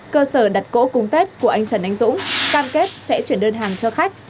cơ sở đặt cỗ cung tết của anh trần ánh dũng cam kết sẽ chuyển đơn hàng cho khách